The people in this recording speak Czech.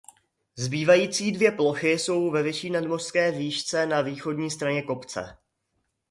Zbývající dvě plochy jsou ve vyšší nadmořské výšce na východní straně kopce.